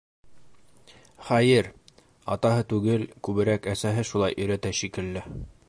Хәйер, атаһы түгел, күберәк әсәһе шулай өйрәтә шикелле.